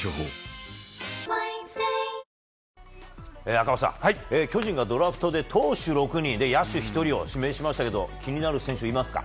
赤星さん、巨人がドラフトで投手６人野手１人を指名しましたが気になる選手はいますか？